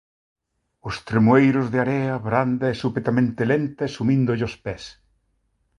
Os tremoeiros de area, branda e súpetamente lenta e sumíndolle os pés.